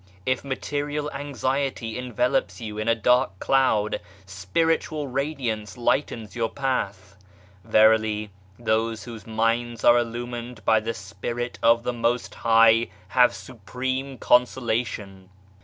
If material anxiety envelops you in a dark cloud, spiritual radiance lightens your path. Verily, those whose minds are illumined by the Spirit of the Most High have supreme consolation.